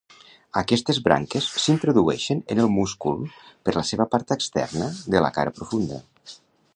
Aquestes branques s'introdueixen en el múscul per la seva part externa de la cara profunda.